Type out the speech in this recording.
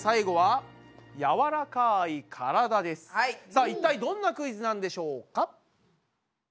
さあ一体どんなクイズなんでしょうか？